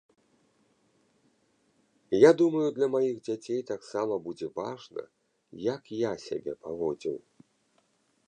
Я думаю, для маіх дзяцей таксама будзе важна, як я сябе паводзіў.